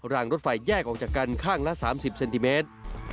รางรถไฟแยกออกจากกันข้างละ๓๐เซนติเมตร